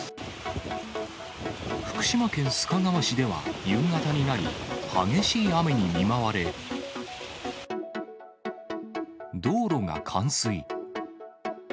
福島県須賀川市では、夕方になり、激しい雨に見舞われ、道路が冠水。